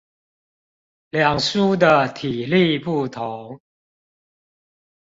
兩書的體例不同